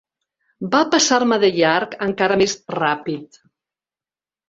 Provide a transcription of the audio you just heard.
Va passar-me de llarg encara més ràpid.